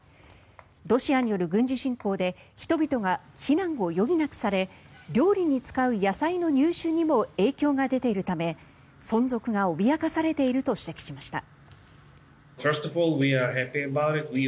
ロシアによる軍事侵攻で人々が避難を余儀なくされ料理に使う野菜の入手にも影響が出ているため存続が脅かされていると指摘しました。